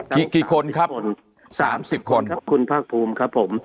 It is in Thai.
กี่คนครับ๓๐คนครับคุณภาคภูมิครับผม